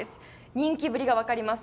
人気ぶりが分かります。